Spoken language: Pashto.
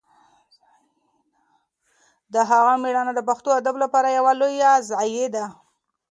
د هغه مړینه د پښتو ادب لپاره یوه لویه ضایعه ده.